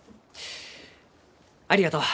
ありがとう。